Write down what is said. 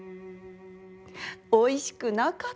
おいしくなかったのよ。